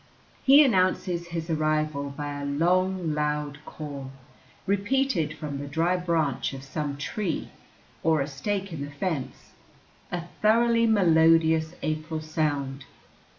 He announces his arrival by a long, loud call, repeated from the dry branch of some tree, or a stake in the fence, a thoroughly melodious April sound.